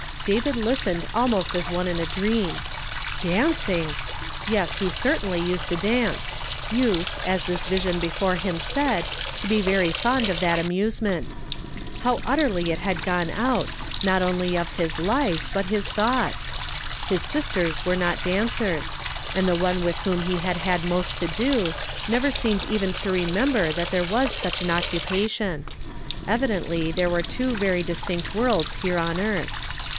David listened almost as one in a dream. Dan i 3 I ff 116 YESTERDAY FllAMED IN TO DAY. cing ! Yes, he certainly used to dance ; used, as this vision before him said, to be very fond of that anuisenient. How utterly it had gone out, not only of his life, but his thoughts ! His sistei s were not daucei s ; and the one with whom he had had most to do, never seemed even to remember that there was such an occupation. Evidently there were two very distinct worlds here on earth.